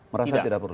merasa tidak perlu